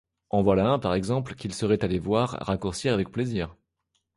En voilà un, par exemple, qu'ils seraient allés voir raccourcir avec plaisir !